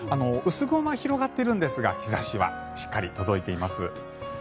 薄雲は広がっているんですが日差しはしっかり届いています。